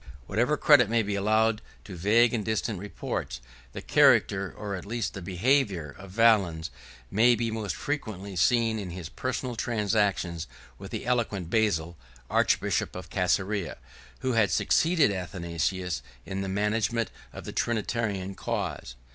70 2. Whatever credit may be allowed to vague and distant reports, the character, or at least the behavior, of Valens, may be most distinctly seen in his personal transactions with the eloquent Basil, archbishop of Cæsarea, who had succeeded Athanasius in the management of the Trinitarian cause.